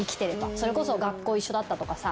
それこそ学校一緒だったとかさ。